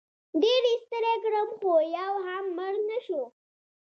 ډېر یې ستړی کړم خو یو هم مړ نه شو.